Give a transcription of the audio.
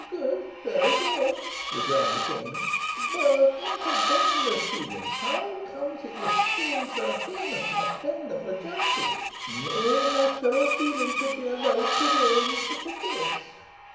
"Gude vera gude," rejoined the King. "But, entertaining this feeling, how conies it you screen so heinous an offender frae justice? Nae natural feeling should be allowed to weigh in sic a case."